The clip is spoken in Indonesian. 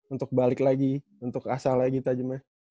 untuk balik lagi untuk asalnya gitu aja mah